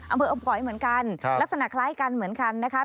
อำเภออมก๋อยเหมือนกันลักษณะคล้ายกันเหมือนกันนะคะ